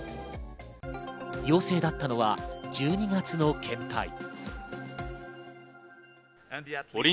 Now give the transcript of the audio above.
陽性だったのは１２月の検体。